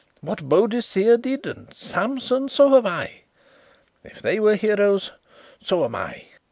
What Boadicea did and and Samson, so have I. If they were heroes, so am I."